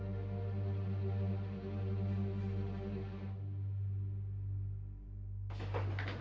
terus terus terus terus